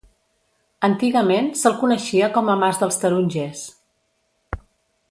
Antigament se'l coneixia com a mas dels Tarongers.